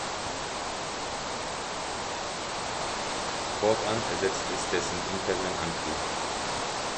Fortan ersetzt es dessen internen Antrieb.